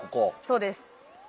そうです。